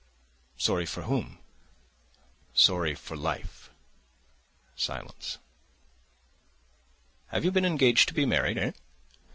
"Sorry for whom?" "Sorry for life." Silence. "Have you been engaged to be married? Eh?"